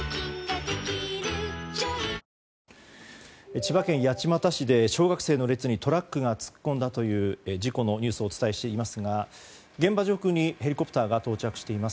千葉県八街市で小学生の列にトラックが突っ込んだという事故のニュースをお伝えしていますが現場上空にヘリコプターが到着しています。